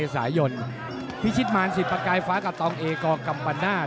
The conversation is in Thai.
สายนพิชิตมารสิทธิประกายฟ้ากับตองเอกกัมปนาศ